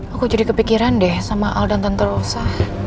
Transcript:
aku jadi kepikiran deh sama al dan tante rosa